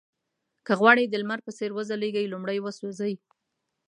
که غواړئ د لمر په څېر وځلېږئ لومړی وسوځئ.